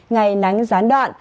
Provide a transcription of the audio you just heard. ngày nắng gián đoạn